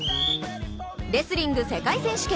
レスリング世界選手権。